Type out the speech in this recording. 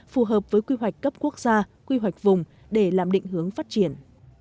phù hợp với quy hoạch cấp quốc gia quy hoạch vùng để làm định hướng phát triển